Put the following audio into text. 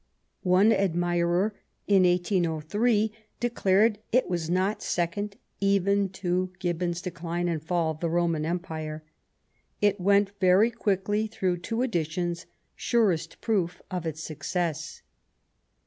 One admirer, in 1803, declared it was not second even to Gibbon's Decline and Fall of the Roman Empire. It went very quickly through two editions, surest proof of its success.